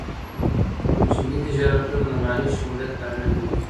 کوچني تجارتونه د مالي شمولیت لامل ګرځي.